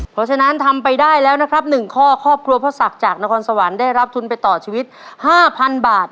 เพราะฉะนั้นทำไปได้แล้วนะครับ๑ข้อครอบครัวพ่อศักดิ์จากนครสวรรค์ได้รับทุนไปต่อชีวิต๕๐๐๐บาท